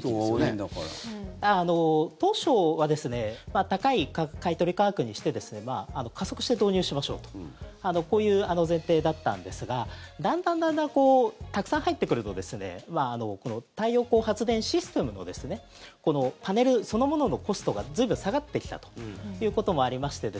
当初は高い買い取り価格にして加速して導入しましょうとこういう前提だったんですがだんだんたくさん入ってくると太陽光発電システムのパネルそのもののコストが随分下がってきたということもありまして